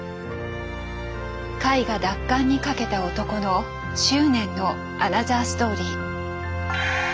絵画奪還に懸けた男の執念のアナザーストーリー。